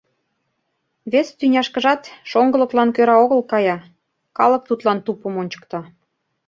Вес тӱняшкыжат шоҥгылыклан кӧра огыл кая — калык тудлан тупым ончыкта.